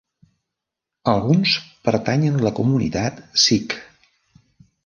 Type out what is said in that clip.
Alguns pertanyen la comunitat sikh.